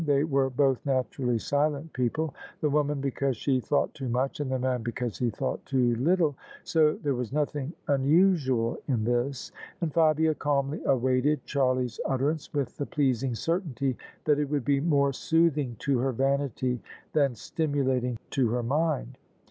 They were both naturally silent people — the woman because she thought too much, and the man because he thought too lit tle — so there was nothing unusual in this : and Fabia calmly awaited Charlie's utterance with the pleasing certainty that it would be more soothing to her vanity than stimulating to her mind.